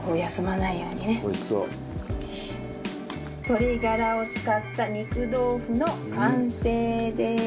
鶏ガラを使った肉豆腐の完成です。